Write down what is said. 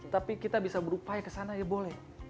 tapi kita bisa berupaya kesana ya boleh